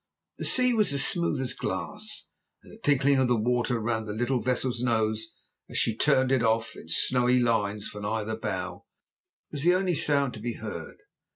The sea was as smooth as glass, and the tinkling of the water round the little vessel's nose as she turned it off in snowy lines from either bow, was the only sound to be heard.